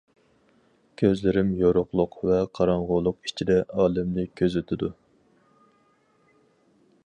كۆزلىرىم يورۇقلۇق ۋە قاراڭغۇلۇق ئىچىدە ئالەمنى كۆزىتىدۇ.